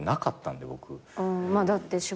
まあだって仕事。